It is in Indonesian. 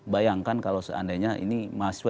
bayangkan kalau seandainya ini mahasiswa